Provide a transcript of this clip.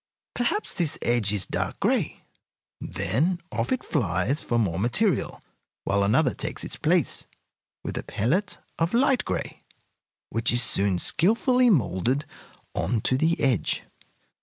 Perhaps this edge is dark gray. Then off it flies for more material, while another takes its place with a pellet of light gray, which is soon skilfully moulded on to the edge.